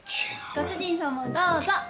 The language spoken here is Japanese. ご主人様もどうぞ！